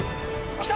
きた！